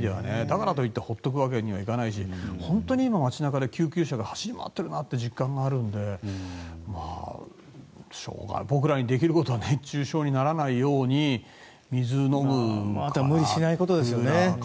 だからといって放っておくわけにはいかないし本当に街中で救急車が走り回ってるなという実感があるので僕らにできることは熱中症にならないように無理しないことですね。